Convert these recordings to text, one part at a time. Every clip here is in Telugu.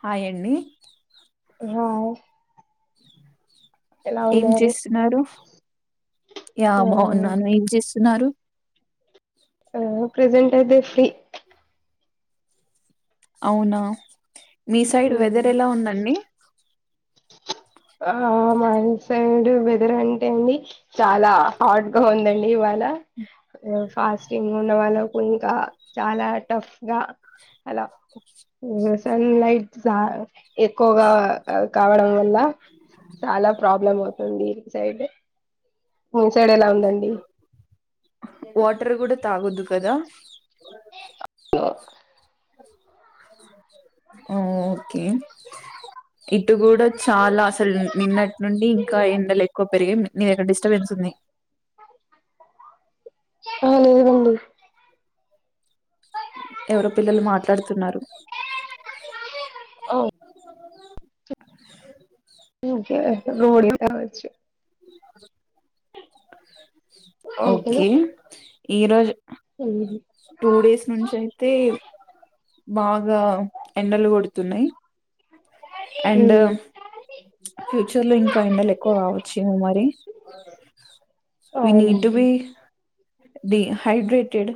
హాయ్ యండి రాయ్ ఏం చేస్తున్నాడు యా ఆ బాగున్నాను ఏం చేస్త్ న్నారు ఓ ప్రెసెంటైతే ఫ్రీ అవునా మీ సైడ్ ఉమ్, వెదరేలా ఉందండి ఆ మా సైడ్ వెదర్ అంటే అండి చాల హాట్గా ఉందండి ఫాస్టింగ్ ఉన్న వాళ్ళకు ఇంకా చాలా టఫ్ గ అలా సన్లైట్ జ ఆ ఎక్కువగా కావడం వల్ల చాలా ప్రాబ్లమ్ అవుతుంది ఈ [unintelligible] సైడ్ వే వాటర్ గుడ తగొద్దు కదా ఉ ఓకే ఇటు కూడా చాలా అసల్ నిన్నట్నుండి ఇంకా ఎండలు ఎక్కువ పెరిగయ్ నీ డిస్టర్బెన్స్ ఉంద్ నే ఎ లేదండి ఎవరో పిల్లలు మాట్లాడుతున్నారు ఇంకే రోలు రావచ్చు ఓకే ఈరోజు ఉహ్మ్ టూ డేస్ నుంచి అయితే బాగా ఎండలు కొడుతున్నాయి అండు ఫ్యూచర్ లో ఇంకా ఎండలు ఎక్కువ కావచ్చు ఏమో మరి వీ నీడ్ అవునండి టూబీ డీహైడ్రేటెడ్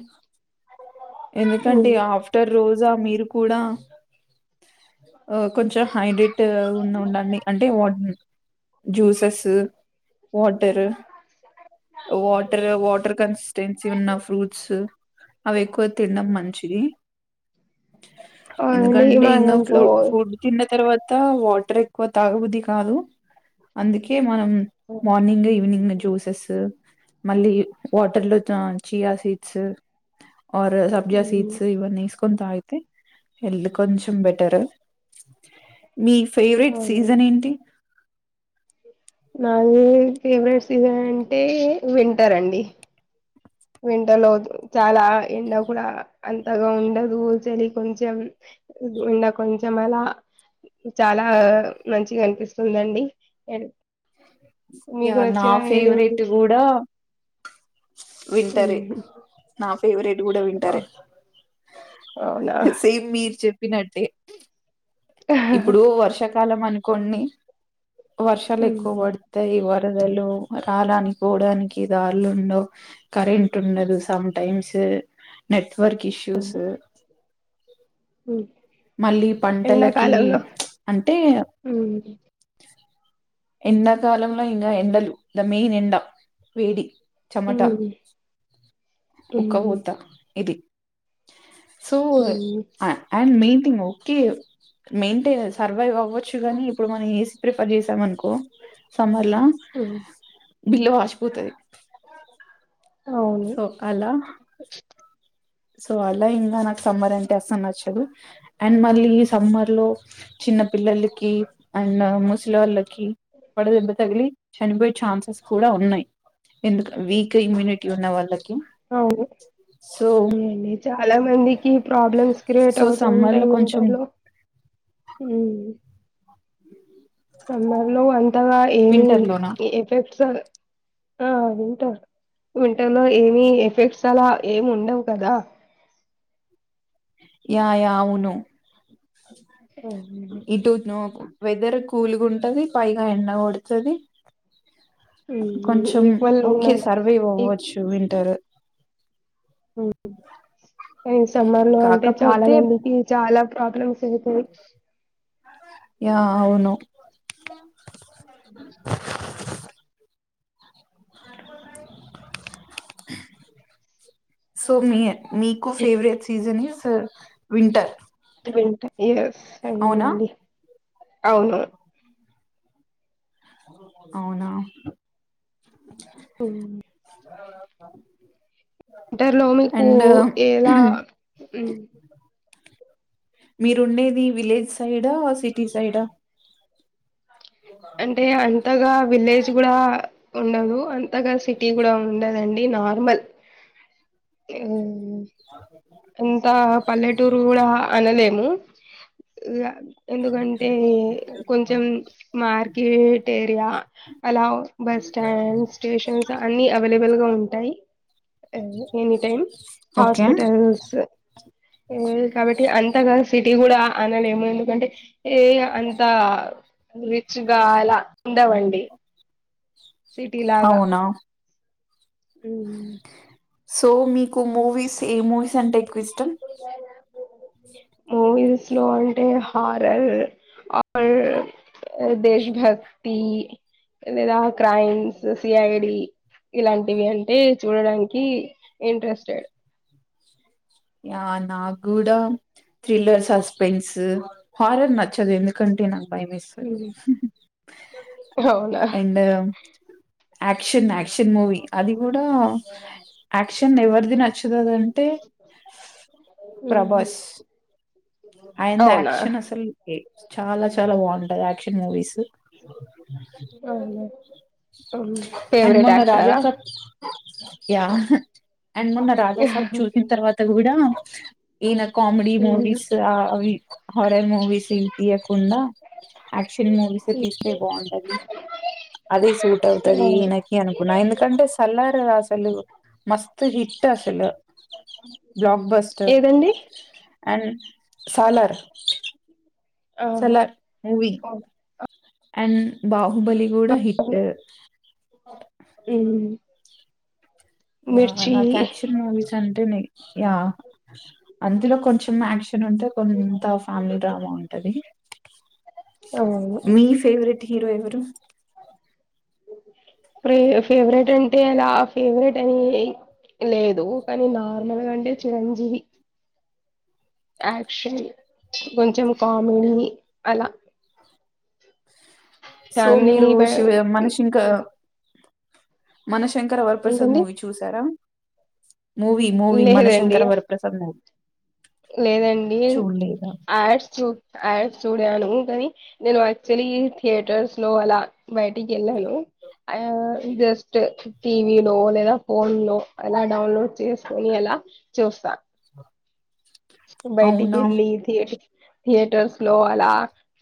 ఎందుకంటే మ్మ్ ఆఫ్టర్ రోజా మీరు కూడా ఆ కొంచెం హైడ్రేట్ ఉన్న ఉండండి అంటే వా juices water water water consistency ఉన్న ఫ్రూట్స్ అవి ఎక్కువ డం మంచిది అవునండి ఎందుకంటే మా ఇంకా ఫు ఇంట్లో ఫుడ్ తిన తర్వాత వాటర్ ఎక్కువ తాగబుది కాదు అందుకే మనం మార్నింగ్ ఈవినింగ్ జ్యూసెస్ మళ్ళీ వాటర్ లో చీయా సీడ్స్ ఆర్ సబ్జ మ్మ్ సీస్ ఇవ్వని ఎసుకో కొనీ తాగితే హెల్త్ కొంచెం బెటరు మీ ఫేవరెట్ అవును సీజన్ ఏంటి నాది ఫేవరెట్ సీజన్ అంటే వింటర్ అండి వింటర్ లో చాలా ఎండ కూడా అంతగా ఉండదు చలి కొంచెం ఎండా కొంచెం ఏలా చాలా మంచిగా అనిపిస్తుందండి ఏం యా మీకు నా నచ్చినా ఏదేంటి ఫేవరెట్ కూడా వింటరే నా ఫేవరెట్ కూడా ఆ, వింటరే అవునా సేమ్ మీరు చెప్పినట్టే ఇప్పుడు వర్షాకాలం అనుకోండి వర్షాలు ఎక్కువ ఉమ్, పడతాయి వర దలు రాడానికి పోవడానికి దారులు ఉండవు కరెంట్ ఉండదు sometimes network issues um. మళ్ళీ పంటలకి ఎండాకాలంలో అంటే ఉమ్, ఎండాకాలంలో ఇంకా ఎండలు ద మెయిన్ ఎండ వేడి చెమట ఉమ్, ఉమ్, ఉక్కబోత ఇది so um, and main okay maintain survive అవ్వచ్చుగాని ఇప్పుడు మనం ఏసీ ప్రిఫర్ చేసాం అనుకో సమ్మర్లా ఉమ్. బిల్లు వాసిపోతది అవును సో అలా సో అలా ఇంకా నాకు సమ్మర్ అంటే అసలు నచ్చదు అండ్ మళ్ళీ ఈ సమ్మర్ లో చిన్న పిల్లలకి అండ్ ముసలోలకి కి వడదెబ తగిలి చనిపోయే ఛాన్సెస్ కూడా ఉన్నాయి ఎందుకు వీక్ ఇమ్యూనిటీ ఉన్న వాళ్ళకి అవును సో చాలా మందికి ప్రాబ్లమ్స్ క్రియేట్ సో అవుతూ సమ్మర్ లో ఉంటాయి కొంచెం వింటర్ లో హుమ్ సమ్మర్ లో అంతగా ఏమీ వింటర్ లోనా ఎఫెక్ట్స్ ఆ వింటర్ వింటర్ లో ఏమి ఎఫెక్ట్స్ అలా ఏమి ఉండవు కదా యా యా అవును అవునండి ఇటు వెదర్ కూల్గా ఉంటది పైగా ఎండ కొడ్తాది కొంచం ఈక్వల్ ఓకే ఉన్నారు సర్వేవ్ ఈ అవ్వచ్చు వింటర్ ఏ సమ్మర్ లో అంటే చాలా కాకపోతే మందికి చాలా ప్రాబ్లమ్స్ ఇవి కివిక్స్ యా అవును సో మీ మీకు ఫెవరేట్ సీజన్స్ వింటర్ ఎస్ అవునా అవును అవునా ఉ ఆ వింటర్లో మీకు ఎలా ఉమ్ మీరుండేది విలేజ్ సైడా సిటీ సైడా అంటే అంతగా విలేజ్ కూడా ఉండదు అంతగా సిటీ కూడా ఉండదండి ఈ నార్మల్ ఎ ఆ నాగ్ అర్జున్ అంతా పల్లెటూరు కూడా అనలేము ఎందుకంటే కొంచెం మార్కెట్ ఏరియా అలా బ స్టాండ్స్ స్టేషన్స్ అన్ని అవైలబల్గా ఉ ఉంటాయి ఎన్ ఎనీ టైమ్ ఓకే హాస్పిటల్ స్ ఎ కాబట్టి అంతగా సిట్ టీ కూడా అనలేము ఎందుకంటే ఏ అంత రిచ్గా అలా ఉండవండి అవునా ఊమ్ సో మీకు మూవీస్ ఏ మూవీస్ అంటే ఎక్కువ్ ఇష్టం మూవీస్ లో అంటే హారర్ అ రర్ దేశ్భక్తి లేదా క్రైమ్స్ సిఐడి ఇలాంటివి అంటే చూడడానికి ఇంట్రెస్టేడ్ యా నాక్ కూడా థ్రిల్లర్ సస్పెన్స్ హారర్ నచ్చదు ఎందుకంటే నాక్ భయం ఏస్తది అవునా అండరమ్ యాక్షన్ యాక్షన్ మూవీ అది కూడా యాక్షన్ ఎవరిది నచుతది అంటే ఊమ్ అయ్యిందా యాక్షన్ అసలుకి చాలా చాలా బావుంటది యాక్షన్ మూవీస్ అవునా అండ్ ఫేవరెట్ మొన్న రాజా యాక్టరా సబ్ యా అండ్ మొన్న రాజాసబ్ ఉమ్. చూసిన్ తర్వాత కూడా ఈయన కామెడీ మూవీస్ అవి హారర్ మూవీస్ ఏంటి కుండా యాక్షన్ మూవీస్ ఏ తీస్తే బావుంటది అదే సూట్ ఆ, అవ్తది ఈయనకి అనుకున్నా ఎందుకంటే సల్లారు అసలు మస్త్ హిట్ అసలు బ్లాక్ బస్టర్ ఏదండి అండ్ సాలర్ ఆ సాలర్ మూవి అవును అండ్ బాహుబలి కూడా హిట్ అ ఊమ్ యా నాక్ యాక్షన్ మూవీస్ అంటే నే ఎహ్ అందులో కొంచెం యాక్షన్ చను ఉంటే కొంత ఫ్యామిలీ డ్రామా ఉంటంది. అవును మీ ఫేవ్రేట్ హీరో ఎవరు ప్రే ఫేవ్రెట్ అంటే అలా ఫేవ్రెట్ అని లేదు దో కానీ నార్మల్ గా అంటే చిరంజీవి యాక్షన్ కొంచెం కామెడీ అలా సో ఫ్యామిలీని మీరు బ శివ మనసింక మనశంకర వరప్రసాద్ ఏంటండి మూవీ చూసారా మూవీ మూవీ లేదండి మనశంకర వరప్రసాద్ మూవీ లేదండి చూడలేదా యాడ్స్ చూ యాడ్స్ చూడాను కానీ నేను యాక్చువలీ థియేటర్స్ లో అలా బయటికి వెళ్ళాను ఆ జస్ట్ టీవీ లో లేదా ఫోన్ లో అలా డౌన్లోడ్ చేసుకోని అలా అ చూస్తా బయటకి అవునా ఏళ్లి థియే థియేటర్స్ లో అలా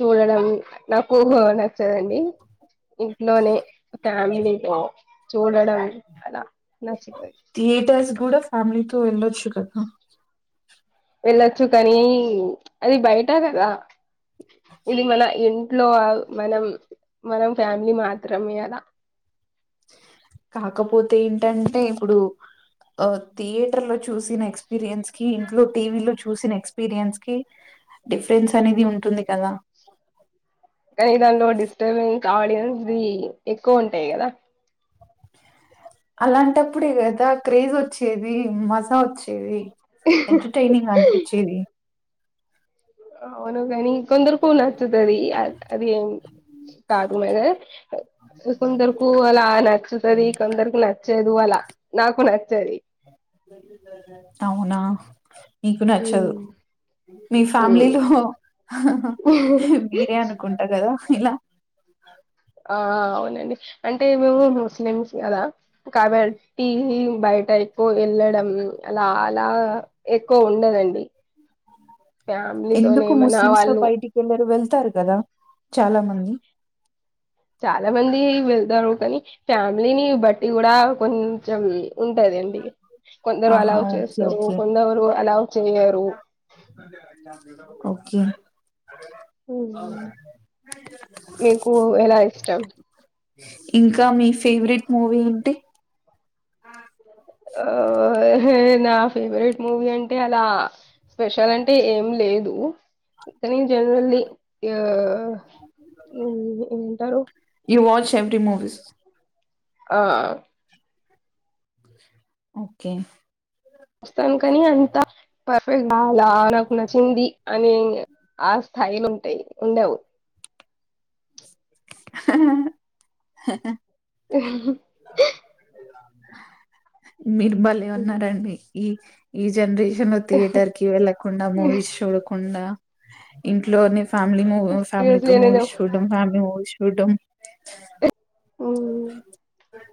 చూడడం నాకు నచ్చదండి ఇంట్లోనే ఫ్యామిలీలో చూడడం అలా నచ్చుతది థియేటర్స్ కూడా ఫ్యామిలీతో వెళ్ళొచ్చు కదా వెళ్ళొచ్చు కానీ, అది బయట కదా ఇది మన ఇంట్లో మనం మనం ఫ్యామిలీ మాత్రమే అదా కాకపోతే ఏంటంటే ఇప్పుడు ఆ థియేటర్ లో చూసిన ఎక్స్పీరియన్స్ కి ఇంట్లో టీవీ లో చూసిన ఎక్స్పీరియన్స్ కి డిఫరెన్స్ అనేది ఉంటుంది కదా కానీ దానిలో డిస్టర్బింగ్ ఆడియన్స్ది ఎక్కువ ఉంటాయి కదా అలాంటప్పుడే కదా క్రేజ్ వచ్చేది మజా వచ్చేది ఎంటర్టైనింగ్ అనిపించేది అవును గానీ కొందరు నచ్చాది అ అది కార్డుమీద కొందరికు అలా నచ్చుతుది కొందరికి నచ్చదు అలా నాకు నచ్చేది అవునా నీకు నచ్చదు మ్మ్ మీ ఫ్యామిలీలో మీరే అనుకుంటా కదా ఇలా ఆ అవునండి అంటే మేము ముస్లిమ్స్ కదా కాబట్టి బయట పోయి వెళ్ళడం అలా అలా ఎక్కువ ఉండదండి ఫ్యామిలీతోనే ఎందుకు ఏమైనా ముస్లిమ్స్ లో వాళ్ళు బయటికి వెళ్లరు వెళ్ వెళ్తారు కదా చాలా మంది చాలా మంది వెళ్తారు కానీ ఫ్యామిలీని బట్టి కూడా కొంచెం ఉంటదండి కొందరు ఆహా అలావ్ ఓకే చేస్తారు, ఓకే కొందరు అలావ్ చేయరు ఓకే మ్మ్ మీకు ఎలా ఇష్టం ఇంకా మీ ఫేవరెట్ మూవీ ఏంటి ఆ నా ఫేవరెట్ మూవీ అంటే అలా స్పెషల్ అంటే ఏం లేదు కనీ జనరేల్లి ఆ ఏమంటారు ఎంప్టీ మూవీస్ ఆ ఓకే వస్తాను కానీ అంత పర్ఫెక్ట్ బాల నాకు నచ్చింది అని ఆ పయిన ఉంటాయి ఉండవు మీరు బాలే ఉన్నారండి ఈ ఈ జనరేషన్. షన్ లో థియేటర్ కి వెళ్ళకుండా మూవీస్ చూడకుండా ఇంట్లోనే. ఫ్యామిలీ మూవీ ఫ్యామిలీతో సీరియస్లీ నేను మూవీస్ చూడం ఫ్యామిలీ మూవీస్ చూడం.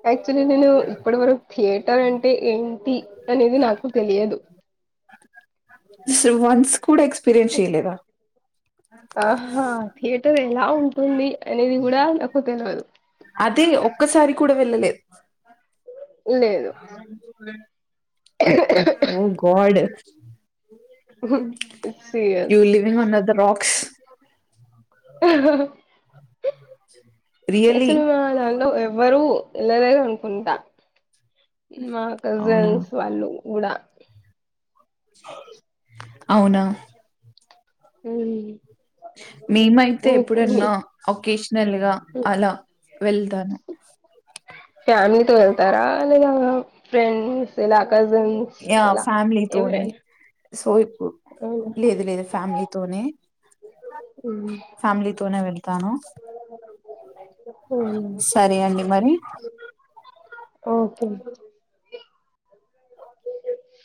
యాక్చువలీ నేను ఇప్పటి వరకు థియేటర్ అంటే ఏంటి అనేది నాకు తెలియదు వన్స్ పిరింషిరి లేద ఆహా థియేటర్ ఎలా ఉంటుంది అనేది కూడా నాకు తెలువదు. అదే ఒక్కసారి కూడా వెళ్ళలేదు. లేదు. Oh god. You serious living on the the rocks. Ah. Really. ఎచుడు వాళ్లల్లో ఎవ్వరు ఎల్లలేరనుకుంటా. మా అవునా? కజిన్స్ వాళ్ళు కూడా. అవునా. ఓయ్. మేమైతే ఎప్పుడన్నా ఒకేషనల్ గా అలా. వెళ్తాను. ఫ్యామిలీతో వెళ్తారా. ఆహ్ లేదా ఫ్రెండ్స్ ఇలా కజిన్స్ యాహ్! ఇలా ఫ్యామిలీతోనే. ఎవరైనా. సో, అవునా లేదు లేదు ఫ్యామిలీతోనే మ్మ్. ఫ్యామిలీతోనే వెల్. తాను. పోను అండి మరి [unintelligible] ఓకే.